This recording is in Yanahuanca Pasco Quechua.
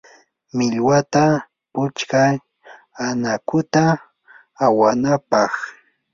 millwata putskaa anakuta awanapaq.